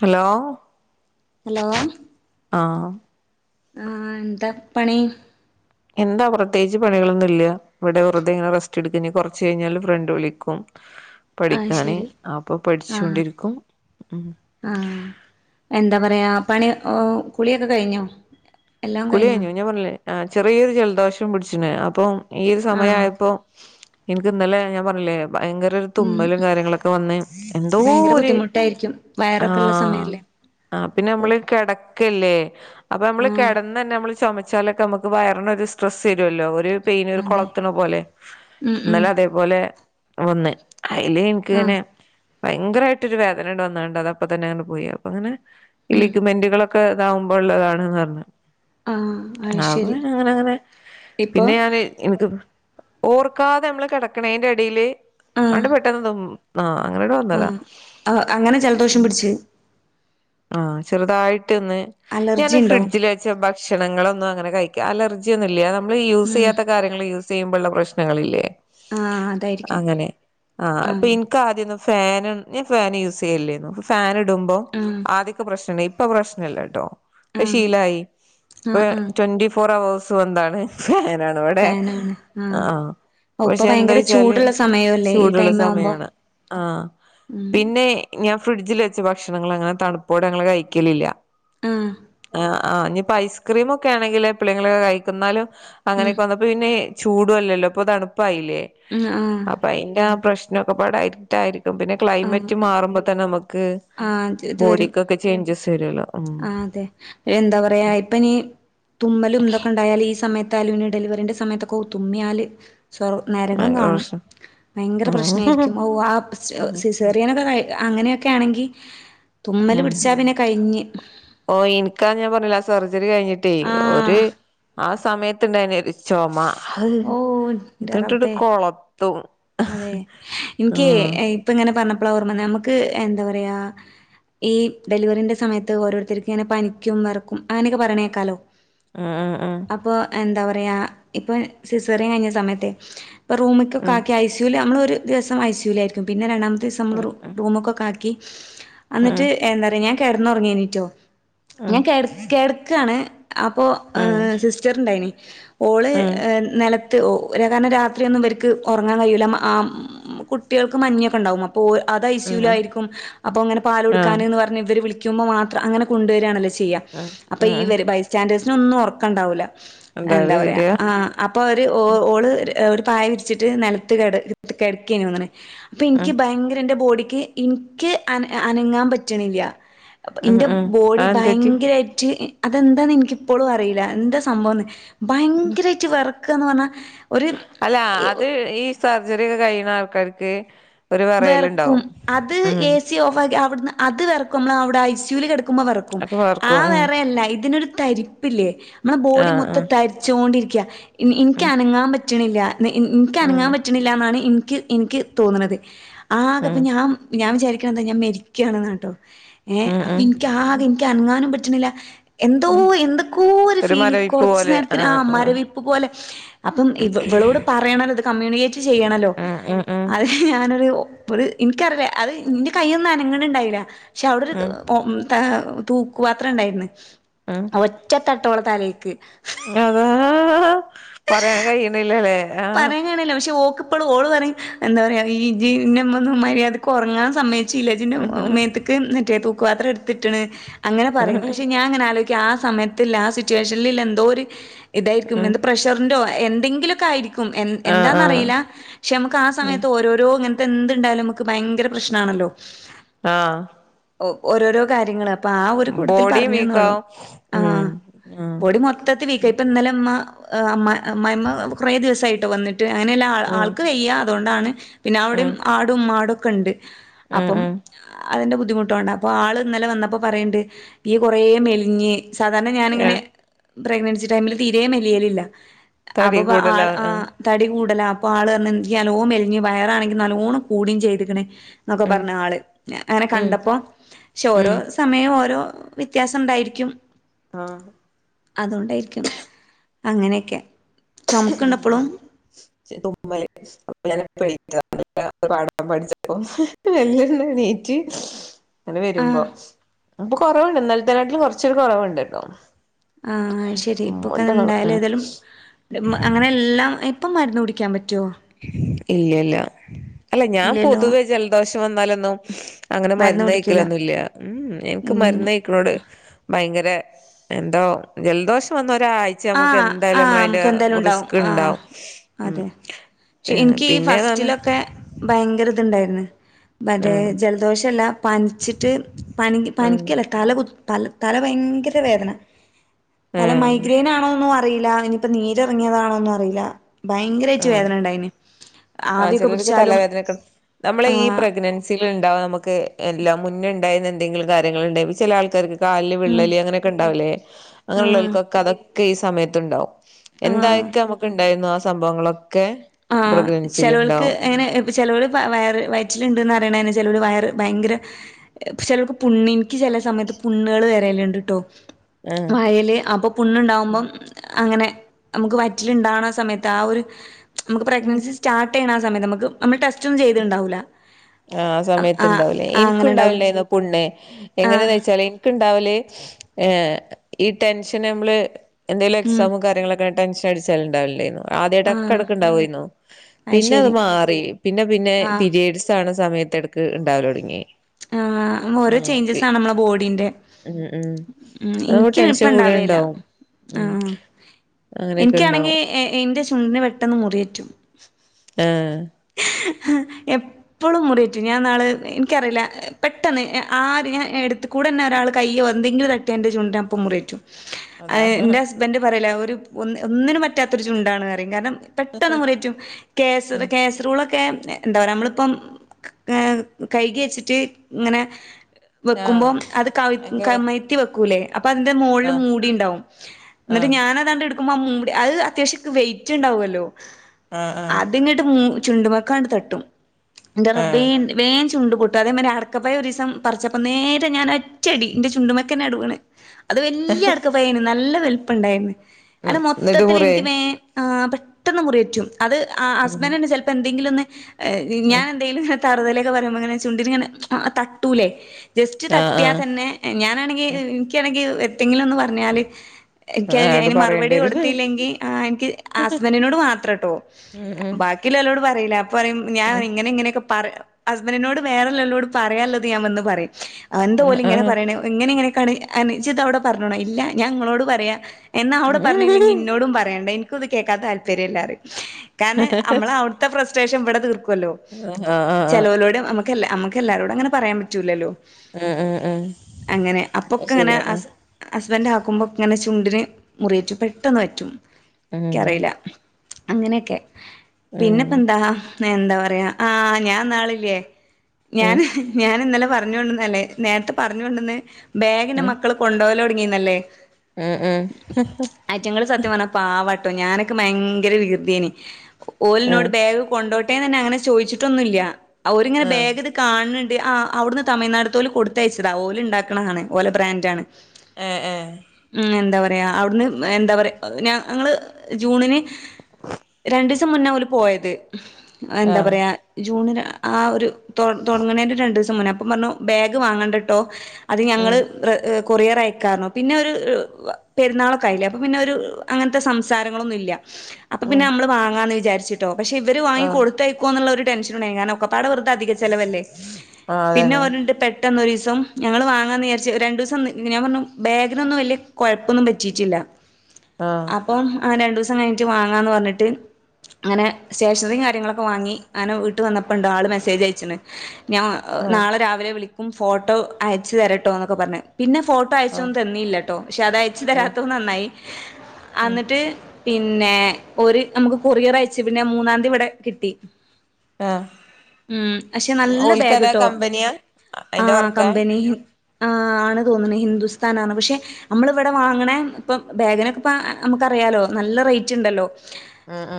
Hello hello ആ ആ എന്താ പണി എന്താ പ്രത്യേകിച്ച് പണികളൊന്നും ഇല്ല ഇവിടെ വെറുതെ ഇങ്ങനെ റസ്റ്റ് എടുക്കഞ് കുറച്ച് കഴിഞ്ഞാല് ഫ്രണ്ട് വിളിക്കും ആ പഠിക്കാണ് ശരി അപ്പൊ ആ പഠിച്ചോണ്ടിരിക്കും ഉം ആ എന്താ പറയാ പണി കുളിയൊക്കെ കഴിഞ്ഞോ എല്ലാം കുളി കഴിഞ്ഞോ കയിഞ്ഞു ഞാൻ പറഞ്ഞിലേ ആ ചെറിയൊരു ജലദോഷം പിടിച്ചിണ് അപ്പം ഈ ഒരു ആ സമയായപ്പൊ എനിക്ക് ഇന്നലെ ഞാൻ പറഞ്ഞില്ലേ ഭയങ്കര ഒരു ഉം തുമ്മലും കാര്യങ്ങളൊക്കെ വന്ന് എന്തോ ഭയങ്കര ഒരു ബുദ്ധിമുട്ടായിരിക്കും ആ വയറൊക്കെ ഉള്ള സമയല്ലേ ആ പിന്നെ ഓ നമ്മള് കെടക്കല്ലേ അപ്പൊ നമ്മള് ആ കെ ന്നെ നമ്മൾ ചുമച്ചാലൊക്കെ നമുക്ക് വയറിനൊ ഒരു സ്ട്രെസ്സ് വരുമല്ലോ ഒരു പെയിന് ഒരു അതെ കൊളത്ത്ണ പോലെ ഉം ഉം ഇന്നലെ അതേപോലെ ഒന്ന് അയില് ഇൻക്ക് ആ ഇങ്ങനെ ഭയങ്കരായിട്ട് ഒരു വേദനട് വന്നാണ്ട് അത് അപ്പൊ തന്നെ അങ്ങ് പോയി അപ്പൊ അങ്ങനെ ഉം ലിഗ്മെന്റുകളൊക്കെ ക്കെ ഇതാവുമ്പോ ഉള്ളതാണ്ന്ന് പറഞ്ഞ് ആ അത് ആ ശരി അങ്ങനെ അങ്ങനെ ഇപ്പൊ പിന്നെ ഞാന്‌ ഇൻക്ക് ഓർക്കാതെ നമ്മള് കിടക്കണ അയിന്റെ എടയില് ആണ്ട് പെട്ടെന്ന് ആഹ് അങ്ങനട് വന്നതാ. ഉം ആഹ് അങ്ങന ജലദോഷം പിടിച്ച് ആ ചെറുതായി [unintelligible] അലർജി ഞാന് ഉണ്ടോ ഫ്രിഡ്ജിൽ വെച്ച ഭക്ഷണങ്ങളൊ ഒന്നും അങ്ങനെ കഴിക്ക അലർജിയൊന്നും ഇല്ല്യ നമ്മള് യൂസ് ഉം ചെയ്യാത്ത കാര്യങ്ങള് ചെയ്യുമ്പള്ള പ്രശ്നങ്ങളില്ലേ ആ അതായിരിക്കും അങ്ങനെ ആഹ് ആ ഇപ്പ ഇനിക്ക് ആദ്യ ഫാനും ഞാൻ ഫാന് യൂസ് ചെയ്യല്ലാരുന്നു [unintelligible] ഫാന് ഇടുമ്പോ ആ പ്രശ്നേ ഇപ്പ പ്രശ്നില്ല കേട്ടോ ആ ശീലായി ആ ആ [unintelligible] ട്വന്റി ഫോർ അവേഴ്സ് [unintelligible] എന്താണ് [unintelligible] അവിടെ ഫാനാണ് ആ ആഹ് ഓ ഇപ്പൊ പക്ഷെ ഭയങ്കര എന്താച്ചാല് ചൂടുള്ള സമയല്ലേ ഈ ചൂടുള്ള ടൈം ആവുമ്പോ സമയാണ് ആ ഉം പിന്നെ ഞാൻ ഫ്രിഡ്ജില് വെച്ച് ഭക്ഷണങ്ങള് അങ്ങനെ തണുപ്പോട് ഞങ്ങള് കഴിക്കലില്ല ആഹ് ആ ആ ഇനിയിപ്പോ ഐസ്ക്രീമൊക്കെ ആണെങ്കില് [unintelligible] കഴിക്കുന്നാലും ഉം അങ്ങനെയൊക്ക വന്നപ്പോ പിന്നേ ചൂടും അല്ലല്ലോ ഇപ്പൊ തണു [unintelligible] ഉം ആഹ് അപ്പ അയിന്റ പ്രശ് [unintelligible] ഡയറ്റ് ആയിരി [unintelligible] പിന്നെ ആഹ് ക്ലൈമറ്റ് മാറുമ്പോ തന്നെ നമുക്ക് ആഹ് [unintelligible] ബോഡിക്കൊക്കെ ചേഞ്ചസ് വരോ ആഹ് അതെ എന്താ പറയാ ഇപ്പ ഇനി തുമ്മലും ഇതൊക്കെ ഇണ്ടായാല് ഈ സമയ താലുവിന് ഡെലിവറിന്റെ സമയത്തൊക്കെ തുമ്മിയാല് സ്വർ നരകം ഭയങ്കര കാണും പ്രശ്നം ഭയങ്കര പ്രശ്നമായിരിക്കും ഉം ഓ ആ [unintelligible] സിസേറിയാനൊക്ക [unintelligible] അങ്ങനെയൊക്കെ ആണെങ്കി തുമ്മല് ഉം പിടിച്ചാ പിന്നെ കഴിഞ്ഞ് ഓ എനിക്കാ ഞാൻ പറഞ്ഞില്ലേ സർ [unintelligible] കഴിഞ്ഞിട്ടേ ഒരു ആഹ് ആ സ സമയത്ത് [unintelligible] ചൊമ ഓ [unintelligible] ഇത് ന്റെ ഇട്ടിട്ട് റബ്ബേ കൊളത്തും അതെ ഇനിക്കേ ആഹ് ഇപ്പ ഇങ്ങനെ പറഞ്ഞപ്പോ ഓർമ്മ വന്നേ നമുക്ക് എന്താ പറയാ ഈ ഡെലിവറിന്റെ സമയത്ത് ഓരോരുത്തർക്ക് ഇങ്ങനെ പനിക്കും വറക്കും അങ്ങനെയൊക്കെ പറയണെക്കാലോ അ അ അ പറയാ ഇപ്പൊ സിസറിയൻ കഴിഞ്ഞ സമയത്തെ റൂമക്ക ഉം നമ്മള് ഒരു ദിവസം ഐസിയുലായിരിക്കും പിന്നെ രണ്ടാമത്തെ ഒരൂസം നമ്മൾ ഉം റൂമൊക്കൊക്കെ ആക്കി [inaudible] അന്നിട്ട് ഉം എന്താ പറയ്ക ഞാൻ കെടന്നുറങ്ങേനീറ്റോ ഉം ഞാൻ കെട കെടക്കയാണെ അപ്പോൾ ഉം സിസ്റ്റർ ഇണ്ടായിന് ഓള് ഉം നെല മത്ത്ഓ ഒ കാരണം രാത്രിയൊന്നും ഇവര്ക്ക് ഉറങ്ങാൻ കഴിയില്ല ആ കുട്ടികൾക്ക് മഞ്ഞൊക്കെ ഉണ്ടാവും അപ്പോ അത് ഉം ഐസിയൂലായിരിക്കും അപ്പം ഇങ്ങനെ പാല് ആഹ് കൊടുക്കാന്ന്ന് പറഞ്ഞ് ഇവർ വിളി പിക്കുമ്പോ മാത്രം അങ്ങനെ കൊണ്ടുവരിയാണല്ലോ ചെ ചെയ്യ ഉം അപ്പ ഈ ഉം ഇവര് ബൈ സ്റ്റാൻഡേഴ്സ് നൊന്നും ഉറക്കണ്ടാവുല്ല എന്താ എന്തായാലും പറയാ ശരിയാ ആ അപ്പൊ അവര് ഓള് ഒരു പായ വിരി വെച്ചിട്ട് നിലത്ത് കെട കെടക്കെയാണ് തോന്ന്ണ് അപ്പൊ ഉം എനിക്ക് ഭയങ്കര എന്റെ ബോഡി ക്ക് ഇനിക്ക് അന അനങ്ങാൻ പറ്റണില്ല ഉം ഇന്റെ ഉം ബോഡി അതെന്ത് പറ്റി ഭയങ്കരായ്റ്റ് അതെന്താന്ന് എനിക്കിപ്പോഴും അറിയില്ല എന്താ സംഭവംന്ന് ഭയങ്കരായ്റ്റ് വെറ ക്കന്ന് വന്ന ഒരു ആ അത് ഈ സർജറി ഒക്കെ കൈണ ആൾക്കാർക്കെ വെറക്കും അത് എ സി ഓഫ് ആക്കി അവി അത് വറക്കും നമ്മ അവിടെ ഐ സു [unintelligible] അത് ആ വാർക്കും ഉം വേറെയല്ല ഇതിനൊരു തരിപ്പിലേ നമ്മുടെ ബോഡി ആഹ് മൊത്തം ആഹ് തരിച്ചുകൊണ്ടിരിക്ക ഉം എനക്ക്നങ്ങാറ്റ അറ്റണില്ല എന്ന എനിക്ക്നങ്ങാൻ ഉം പറ്റണില്ല എന്നാണ് എനിക്ക് എനിക്ക് തോന്നണുന്നത്. ആഹ അപ്പ ഉം ഞാ ഞാൻ വിചാരിക്ക ഞാൻ മരിക്കയാണ്ന്ന് കേട്ടോ ഏഹ ഉം അപ്പൊ ഉം എനിക്ക് ആകെ എനിക്ക് അറങ്ങാനും പറ്റ [unintelligible] [unintelligible] എന്തോ ഉം എന്തൊക്കോ ഒരു ഫീൽ മരവിപ്പ് കുറച്ച പോലെ നേരത്തിന് ആ ആഹ് ആഹ് മരവിപ്പ് പോലെ അപ്പം ഇ ഇവളോട് പറയണല്ലോ ഇത് കമ്മ്യൂണിക്കേറ്റ് ചെയ്യണല്ലോ, ഉം ഉം അത ഞാനൊരു എനിക്കറില്ല അത് നിന്റെ കൈയ്യൊന്നും അനങ്ങ ണ്‌ണ്ടായില്ല. പക്ഷെ അവിടെ ഒരു ഉം ഉം തൂക്ക് പാത്രം ഉണ്ടായിരുന്നു. ഉം ഒറ്റ തട്ട അൺട്ടോളതലേക്ക് അതാ പറയാൻ കയണില്ലല്ലേ പറയാൻ കാണല്ലോ പക്ഷെ ഓക്ക്‌ പ്പോ ഓള് പറയും എന്താ പറയാ ഈ ജീവമാരി അത് ഉറങ്ങാൻ സമ്മയ ചലജിന്റെ ഉം മേത്തക്ക് മറ്റേ തൂക്ക് പാത്രം എടുത്തിട്ടണ്, അങ്ങെ പറയും പശേ ഞാ അങ്ങന ആലോചിക്കും ആ സമയത്തി ആ സിറ്റുവേഷനിൽ എന്തോ ഒരു ഇതായിരിക്കും ഉം എന്ത് പ്രഷറിന്റെ എന്തെങ്കിലൊക്കെ ആയിരിക്കും ആഹ് ആഹ് എന്താന്ന്റിയില്ല പക്ഷെ നമുക്ക് ആ സമയത്ത് ഓരോരോന എന്ത്‌ണ്ടായാലും നമുക്ക് ഭയങ്കര പ്രശ്നാണല്ലോ ആഹ ഓ ഓരോരോ കാര്യങ്ങളും, അപ്പൊ ആ ഒരു കൂട്ടത്തിൽ ബോഡിയും പറഞ്ഞുന്നോളു. വീക്കാവും ആഹ ഉം ഉം ബൊഡി മൊത്തത്തി വീക്ക ഇപ്പ ഇന്നലെ അമ്മ അമ്മ അമ്മായിഅമ്മ കുറ ദിവസം ആയിട്ട് വന്നട്ട് ട്ട് അങ്ങനെല്ല ആൾ ഉം ആൾക്ക് വയ്യ അതൊണ്ടാണ് പിന്ന അവിടേം ഉം ആടും മാടും ക്ക്ണ്ട്. ഉം അപ്പം ഉം അതിൻ്റെ ബുദ്ധിമുട്ടോണ്ട അപ്പോ ആള് ഇന്നലെ വന്നപ്പോ പറയ്ണ്ട് നീ കൊറേ മെലിഞ്ഞ് സാധാരണ ഞാനിങ്ങനെ ഏഹ് പ്രഗ്നൻസി ടൈമില് തീരേമെലിയലില്ല തടി കൂടല ആ തടി കൂടലാ അപ്പൊ ആള് പർഞ്ൻക്ക് മെലിഞ് വയറാണെങ്കി ന്നല്ലോം കൂടീം ചെയ്ത്ക്ക്ണ് ന്നൊക്കെ ഉം പറഞ് ആള് അങ്ങനെ ഉം കണ്ടപ്പോ ഷൊഓരോ ഉം സമയം ഓരോ വിത്യാസണ്ടായിരിക്കും ആഹ അതോണ്ടായിരിക്കും അങ്ങനെക്കെ ചുമക്ക്ണ്ട ച്ച് തുമ്മല് അപ്പ പാടാൻ പഠിച്ചപ്പൊ വെല്ലോന്നെണീറ്റ് എന്ത് വരുമ്പോ ആഹ് ഇപ്പൊ കൊറവുണ്ട് ഇന്നൽത്തെനാട്ട്ലും കൊറച്ചോരു കൊറവുണ്ട് ട്ടോ ആഹ ഐശരി ഇപ്പൊക്കെ അങ്ങൻ തുമ്മണ്ട്ന്നാണ് ഉം ഇണ്ടായാലെതെലും അങ്ങനെ എല്ലാം ഇപ്പ മരുന്നുടിക്കാൻ പറ്റ് ഇല്ല്യല്ല അല്ല ഞാൻ ഇല്ലല്ലോ പൊതുവേ ജലദോഷം വന്നാലൊന്നും അങ്ങനെ മരുന്ന് കുടിക്കൂല മരുന്നയ്ക്കലൊന്നുല്ല്യാ ഉമ് എനിക്ക് ഉം മര്ന്നയ്ക്കണോട് ഭയങ്കര വെ എന്തോ ജൽദോഷം വന്ന രായ്ച്ചാമ്പുക്ക ആഹ് എന്തായ്ലും ആഹ് നമ്മളയ്ന്റെ നമുക്ക് എന്തായാലും ഉണ്ടാവും റിസ്ക് ഇണ്ടാകും ക്ഷെ എനിക്ക് ഈ ഫസ്റ്റിലൊക്കെ ഭയങ്കര ഇണ്ടായ്ര്ന്ന് മറ്റേ ആഹ് ജലദോഷല്ല പനിച്ചിട്ട് പനി ഉം പനിക്കല്ല തല കുത്ത് പല തല ഭയങ്കര വേദന ഹാ ണോന്നോ അറിയിലാ ഇനിപ്പ നീരെറങ്ങിയതാണോന്നും അറിയിലാ ഭയങ്കരായ്റ്റ് വേദനഇണ്ടായിന് ആ ചിലര്ക്ക് തലവേദനക്ക നമ്മള ഈ ആഹ് പ്രഗ്നൻസീല് ഇണ്ടാവ ന്നമക്ക് എല്ലാം മുന്നേ ഇണ്ടായിരുന്ന എന്തെങ്കിലും കാര്യങ്ങൾണ്ടായിന്ന ചെല ആൾക്കാര്ക്ക് കാല്ല് ഉം വിള്ളല് അങ്ങനൊക്കെ ഇണ്ടാവ്ലേ ആഹ് അങ്ങനുള്ളോൾക്കൊക്കെ അതക് പ്പോ ഈ സമയത്ത്ണ്ടാവും ആഹ് എന്തായിക്ക നമുക്ക്ണ്ടേയ്ന്നോ സംഭവങ്ങള് ക്കെ ആഹ് പ്രഗ്നൻ ചെലോൽക്ക് എങ്ങനെ ചെലോല് വയർ വയറ്റിലിണ്ട്ന്നറി ചേലോരെ വയറ് ഭയങ്കരെ ചെലോർക്ക് പുണ്ണ് ൻക്ക് ചെലേ സമയത്ത് പുണ്ണ്കള് വരല്ണ്ട് ട്ടോ ആഹ് വായെല് അപ്പൊ പുണ്ണ്ണ്ടാവുമ്പം അങ്ങനെ നമുക്ക് വയറ്റിലിണ്ടാവ്ണാ സമയത്ത് ആ ഒര് നമ്ക്ക് പ്രെഗ്നൻസി സ്റ്റാർട്ടെയ്യ്ണാ ആ സമയത്ത് നമ്മക്ക് അമ്മൾ ടെസ് റ്റും ചെയ്ത്ണ്ടാവൂലാ ആ സമയത്ത്ണ്ടാവൂല്ലേ എൻക്കുണ്ടാവലെന്നോ പുണ്ണ് ആഹ് എങ്ങനെന്ന് വെച്ചാല് എൻക്ക് ണ്ടാവല് ഏഹ് ഈ ടെൻഷന് നമ്മള് എന്തെലും ഉം എക്സാമും കാര്യങ്ങളൊക്കെ ടെൻഷൻ അടിച്ചാലുണ്ടാവലെന്നു. ആഹ് അത് എടക്കെടക്ക്‌ ഇണ്ടാവേയ്ന്നു പിന്നെ അത് മാറി പിന്നെ പിന്നെ ആഹ് പിരീഡ്സ് ണ്ടാവണ സമയത്ത് എടക്ക് ഇണ്ടാവലൊടങ്ങി ആഹ് ഓരോ ചേഞ്ചസാണ് നമ്മളെ ബോഡീന്റെ ഉം ഉം അതാവുമ്പോ ഇൻക്ക് ടെൻഷൻ കൂടെ ഇപ്പണ്ടാവേല്ല ഉണ്ടാവും ഉം ആഹ് അങ്ങനെയൊക്കെ ഉണ്ടാവും എനിക്കാണെങ്കിൽ എന്റെ ചുണ്ടിന് പെട്ടെന്ന് മുറി റ്റും. ആഹ്. ഹ് ഹ് എപ്പളും മുറി പറ്റും ഞാൻ ഇന്നാള് ഇൻക്കറില്ല. പെട്ടെന്ന് ആര് ഞാൻ എടുത്ത് കൂടെ എന്നെ ഒരാള് കയ്യോ എന്തെങ്കിലും തട്ട്യാ എൻ്റെ ചുണ്ടപ്പം മുറി പറ്റും. അതാ അത് ഇന്റെ ഹസ്ബന്റ് പറയല് ഒരു ഒ ഒന്നിനും പറ്റാത്തൊരു ചുണ്ടാണ് ന്ന് പറയും കാരണം പെട്ടെന്ന് മുറി പറ്റും ആ കേസർ കേസറൂളൊക്കെ എന്താ പറ നമ്മളിപ്പം കൈകി വെച്ചിട്ട് ങ്ങനെ ആ വെക്കുമ്പോം അത് ക അയിന്റെ കമയ്ത്തി വെക്കൂല്ലേ? അപ്പോ അതിന്റെ മോളില് ആ മൂടി ഇണ്ടാവും ആ എന്നിട്ട് ഞാനതണ്ട് ഇട് മം മൂടി അത് അത്യാവശ്യക്ക് വെയിറ്റ് ഇണ്ടാവുല്ലോ ആ ആ അതിങ്ങട്ട് മൂ ചുണ്ട്മ്മേക്കാണ്ട് തട്ടും ന്റെ റബ്ബേ ആഹ് വേ ചുണ്ട് പൊട്ടാ അതെ മാതിരി പപ്പായ ഒരു ദിവസം പറിച്ചപ്പ നേരെ ഞാൻ ഒറ്റടി എൻ്റെ ചുണ്ടുമേക്കന്നെ വീണേ - അത് വലിയ ഇടക്ക പയിന നല്ല വലി പ്പ ഉണ്ടായിരുന്നു- ഉം അല്ല എന്നിട്ട് മൊത്തത്തിൽ മുറിയായി എനിക്ക്മേ ആ- പെട്ടെന്ന് മുറീറ്റും- അത് ആ ഉം ഹസ്ബൻറ് ന്നെ ചിലപ്പോ എന്തെങ്കിലും ഒന്ന്- [unintelligible] ഉം ഞാൻ എന്തെയിലും ഹ തറുതലക്ക പറയുമ്പോങ്ങെ ചുണ്ടിനിങ്ങെന- തട്ടൂലേ? ജസ്റ്റ് ആഹ് തട്ടിയാൽ ആഹ് തന്നെ ഞാനാണെങ്കിൽ എനിക്കാണെങ്കിൽ- തിങ്ങിലന്ന് പറഞ്ഞാല്- എനിക്ക് ആഹ് അങ്ങട് അതിന് പറയേണ്ടി മറുപടി വരും കൊടുത്തില്ലെങ്കിൽ ആ എനിക്ക് ഹസ്ബൻറിിനോട് മാത്രം ട്ടോ ഉം ഉം ബാക്കിയുള്ള അല്ലോട് പറയില്ല അപ്പ പറ ഞാൻ ഉം ഇങ്ങനെ ഇങ്ങനെയൊക്കെ- പറ ഹസ്ബന്റിനോട് വേറെല്ലരോടും- പറയല്ലത് ഞാൻ വന്ന് പറയു- എന്ത ആഹ് ഓലും ആഹ് ആഹ് ഇങ്ങനെ പറയണേ ഇങ്ങനെഇങ്ങനെ- അനുജിത അവിടെ പറഞ്ഞോണം ഇല്ല ഞങ്ങളോട് പറയാ എന്നാ അവിടെ പറഞ്ഞില്ലെങ്കിൽ ആഹ് ഇന്നോടും പറയണ്ട എനി ക്കുംഇതു കേൾക്കൻ താല്പര്യംല്ലാും- കാരൻ അമ്മള അവിടുത്തെ പ്രശ് ദേഷൃംവിടെ തീർക്കും- ല്ലോ ഉം ചെലവരോട് നമുക്കല്ലമ്ക്ക്- എല്ലാവരോടും അങ്ങനെ പറയാൻ പറ്റൂല്ലല്ലോ ഉം ഉം അങ്ങനെ അത് അപ്പോക്കെ ഇങ്ങനെ ശരിയാ ഹസ് ഹസ്ബൻഡ് ആ ക്കുമ്പം- അങ്ങനെ ചുണ്ടിന് മുറിയേറ്റു പെട്ടെന്ന് പറ്റും- ഉം എനിക്കറിയില്ല- അങ്ങനെയൊക്കെ- ഉം ഉം പിന്നെപ്പ എന്താ എന്താ- പറയാ ആഹ് ഞാൻ നാളില്ലേ- ഉം ഉം ഞാന് ഞാൻ ഇന്നലെ- പറഞ്ഞോണ്ട്ന്നല്ലെ നേരത്തെ പറഞ്ഞോണ്ടന്ന്- ബേഗിന ഉം മക്കൾ കൊണ്ടപോലോ- തുടങ്ങിയന്നല്ലേ- ഉം ആഹ് ആഹ് ആറ്റ്ങ്ങള് സത്യപറഞ പാവാൺ- ഞാനൊക്കെ ഭയങ്കര വൃകൃതിന്- ഓല് ന്നോട് ബാഗ് കൊണ്ടോട്ട് ട്ടേ തന്നെ അങ്ങനെ ചോയിച്ചിട്ടൊന്നുല്ല അവരിങ്ങനെ ബാഗെട് കണുണ്ട് ആ അവിടുന്ന് തമിഴ്നാടുത്തോല് കൊടുത്ത് അയച്ചതാ ഓല് ഉണ്ടാക്കണതാണ് ഓല ബ്രാൻഡാണ് ഏ എ അ അവിടുന്ന് എന്താ പറയാ ഞങ്ങള് ജൂണിന് രണ്ടു ദിസം മുന്നേ ഓല് പോയത് എന്താ ആഹ് പറയാ ജൂണിന് ആ ഒരു തൊ തൊടങ്ങണേന്റെ രണ്ടു ദീസം മുന്നേ അപ്പൊ പറഞ്ഞു ബാഗ് വാങ്ങണ്ടാട്ടോ അത് ഞങ്ങള് ഉം റ് കൊറിയർ അയക്കാർന്ന് പിന്നെ ഒരു പെരുന്നാളൊക്കൊയില്ലേ അപ്പ പിന്നെ ഒരു അങ്ങനത്തെ സംസാരങ്ങളൊന്നുംല്ല അപ്പൊ പിന്നെ ഉം നമ്മള് വാങ്ങാന്ന് വിചാരി ച്ച്ട്ടോ പക്ഷെ ഇവര് വാങ്ങി ആഹ് ആഹ് കൊടുത്തയക്കോ എന്നുള്ളൊരു ടെൻഷനൊണ്ടായി കാരണം ഒക്കപ്പാടെ വെറുതെ അധിക ചെലവല്ലേ പിന്നെ അതന്നെ ഓലൊണ്ട് പെട്ടെന്ന് ഒരുസ സം ഞങ്ങള് വാങ്ങാന്ന് വിചാരിച്ചു രണ്ടു ദിവസം ഞാൻ പറഞ്ഞു ബാഗിനൊന്നും വലിയ കുഴപ്പൊന്നും പറ്റിയിട്ടില്ല ആഹ് അപ്പം ആ രണ്ടു ദിസം സം കഴിഞ്ഞിട്ട് വാങ്ങാന്ന് പറഞ്ഞിട്ട് അങ്ങനെ സ്റ്റേഷനറി കാര്യങ്ങളൊക്കെ വാങ്ങി അങ്ങനെ വീട്ട് വന്നപ്പോ ഉണ്ട് ആള് മെസേജ് അയ ച്ഛന് ഞാൻ ആഹ് നാളെ രാവിലെ വിളി ക്കും ഫോട്ടോ അയച്ചു തരാട്ടോ എന്നൊക്കെ പറഞ് പിന്നെ ഫോട്ടോ അയച്ചൊന്നും ആഹ് തന്നീല്ലാട്ടോ പക്ഷെ അത് അയച്ച് ആഹ് തരാത്ത നന്നായി ഉം അന്നിട്ട് പിന്നെ ഒരു നമുക്ക് കൊറിയർ അയച്ചു പിന്നെ മൂന്നാംതി ഇവിടെ കിട്ടി ആഹ് ഉം നല്ല ഓൽക്ക് ബാഗ് അതാ ട്ടോ കമ്പനിയാ ആ അയിന്റെ വർക്കാ കമ്പനി ആ ആണ് തോന്നുണ് ഹിന്ദുസ്ഥാനാണ് പക്ഷെ നമ്മളിവിടെ വാങ്ങണ ഇപ്പൊ ബാഗിനൊക്കെ ഇപ്പൊ നമുക്കറിയാലോ നല്ല റേറ്റ് ഉണ്ടല്ലോ അ അ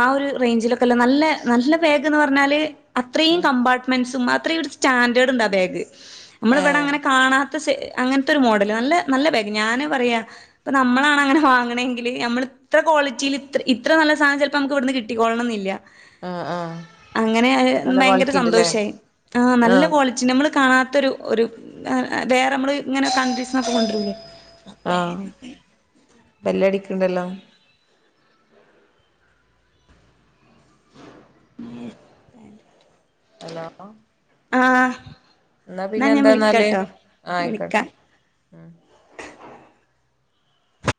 ആ ഒരു റേഞ്ചിലൊക്കെല്ല നല്ല നല്ല ബാഗ് ന്ന് പറഞ്ഞാല് അത്രയും ആഹ് കമ്പാർട്ട്മെന്റ്സും അ ത്രയും ഒരു സ്റ്റാൻഡേഡ്ണ്ടാ ബാഗ് നമ്മൾ ഇവിടെ ഏഹ് അങ്ങനെ കാണാ സേ അങ്ങനത്തൊരു മോഡല് നല്ല നല്ല ബാഗ് ഞാൻ പറയാ ഇപ്പ നമ്മളാണങ്ങനെ വാങ്ങണെങ്കില് നമ്മൾ ഇത്ര ക്വാളിറ്റിയിൽ ഇ ഇത്ര നല്ല സാധനം ചെലപ്പം നമുക്ക് ഇവിടുന്ന് കിട്ടിക്കൊള്ളണംന്നില്ല ആഹ് ആഹ് ങ്ങനെ നല്ല ഭയങ്കര ക്വാളിറ്റി ഉണ്ടല്ലേ സന്തോഷായി ആഹ് നല്ല ക്വാളിറ്റി നമ്മള് കാണാത്തൊരു ഒരു വേറെ നമ്മള് ഇങ്ങനെ കണ്ട്രീസിന്നൊക്കെ കൊണ്ടരൂലേ ആഹ് ബെല്ലടിക്ക്ണ്ടല്ലോ ഹലോ ആഹ് എന്നാ ന്നാ പിന്നെ ഞാൻ എന്താന്നാല് വിളിക്കാട്ടോ ആ ആയിക്കോട്ടെ വിളിക്കാം.